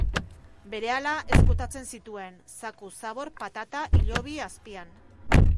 Berehala ezkutatzen zituen, zaku, zabor, patata, hilobi... azpian.